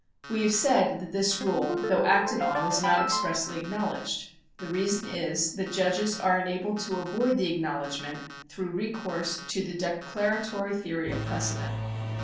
^ We have said that this rule, though acted on, is not ex pressly acknowledged. The reason is that judges are enabled to avoid the acknowledgment through recoiu'se to the declara tory theory of precedent.